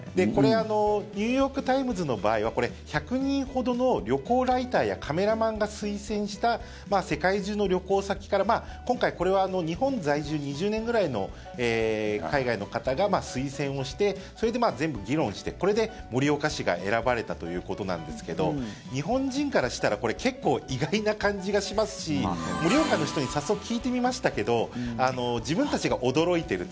ニューヨーク・タイムズの場合は１００人ほどの旅行ライターやカメラマンが推薦した世界中の旅行先から今回、これは日本在住２０年ぐらいの海外の方が推薦をしてそれで全部議論してこれで盛岡市が選ばれたということなんですけど日本人からしたらこれ、結構意外な感じがしますし盛岡の人に早速聞いてみましたけど自分たちが驚いていると。